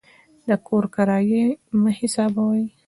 د کور کرایه یې مه حسابوئ.